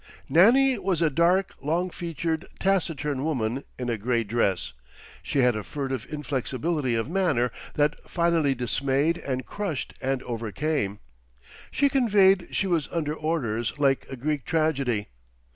Nannie was a dark, longfeatured, taciturn woman in a grey dress; she had a furtive inflexibility of manner that finally dismayed and crushed and overcame. She conveyed she was "under orders"—like a Greek tragedy.